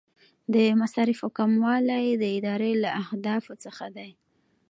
د مصارفو کموالی د ادارې له اهدافو څخه دی.